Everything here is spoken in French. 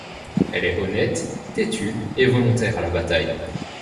Elle est honnête, têtue et volontaire à la bataille.